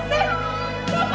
pergi di rumah kita